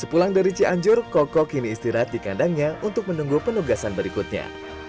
sepulang dari cianjur koko kini istirahat di kandangnya untuk menunggu penugasan berikutnya